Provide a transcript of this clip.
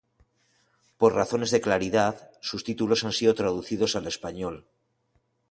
Por razones de claridad, sus títulos han sido traducidos al español.